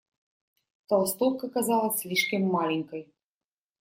Толстовка казалась слишком маленькой.